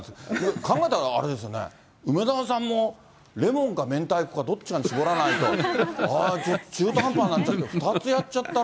考えたらあれですよね、梅沢さんもレモンか明太子か、どっちかに絞らないと、中途半端になっちゃって、２つやっちゃったら。